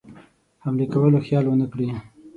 حملې کولو خیال ونه کړي.